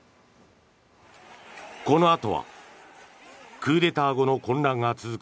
このあとはクーデター後の混乱が続く